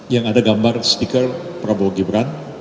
yang ada gambar stiker prabowo gibran